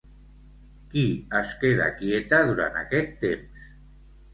Qui es queda quieta durant aquest temps?